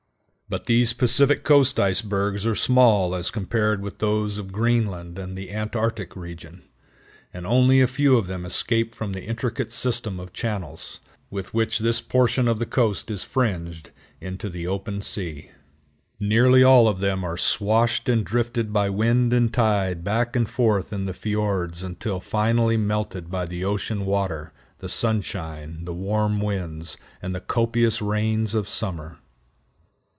But these Pacific Coast icebergs are small as compared with those of Greenland and the Antarctic region, and only a few of them escape from the intricate system of channels, with which this portion of the coast is fringed, into the open sea. Nearly all of them are swashed and drifted by wind and tide back and forth in the fiords until finally melted by the ocean water, the sunshine, the warm winds, and the copious rains of summer.